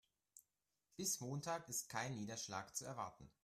Bis Montag ist kein Niederschlag zu erwarten.